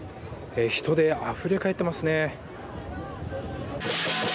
人であふれ返っていますね。